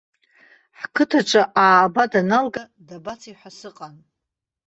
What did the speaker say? Ҳқыҭаҿы ааба даналга, дабацеи ҳәа сыҟан.